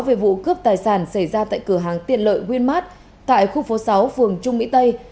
về vụ cướp tài sản xảy ra tại cửa hàng tiện lợi winmart tại khu phố sáu phường trung mỹ tây